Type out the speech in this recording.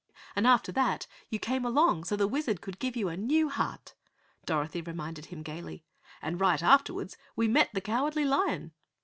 "And after that, you came along so the Wizard could give you a new heart," Dorothy reminded him gaily. "And right afterwards, we met the Cowardly Lion."